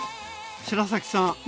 白崎さん